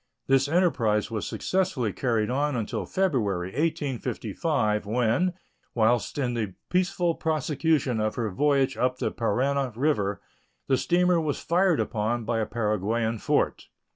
This enterprise was successfully carried on until February, 1855, when, whilst in the peaceful prosecution of her voyage up the Parana River, the steamer was fired upon by a Paraguayan fort.